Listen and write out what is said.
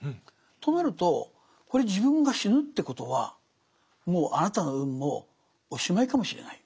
となるとこれ自分が死ぬってことはもうあなたの運もおしまいかもしれない。